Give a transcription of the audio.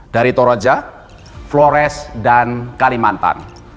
dari toroja flores dan kalimantan